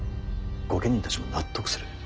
御家人たちも納得する。